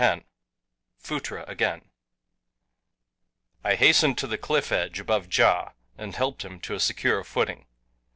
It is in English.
X PHUTRA AGAIN I HASTENED TO THE CLIFF EDGE ABOVE JA AND helped him to a secure footing.